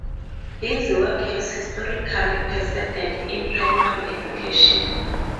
Busy work has historical precedent in primary education.